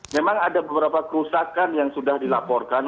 memang ada beberapa kerusakan yang sudah dilaporkan